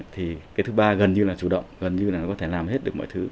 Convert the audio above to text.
thì cái thứ ba gần như là chủ động gần như là có thể làm hết được mọi thứ